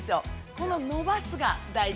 この伸ばすが大事。